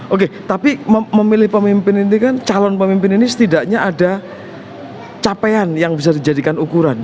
oke tapi memilih pemimpin ini kan calon pemimpin ini setidaknya ada capaian yang bisa dijadikan ukuran